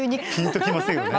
ピンと来ませんよね。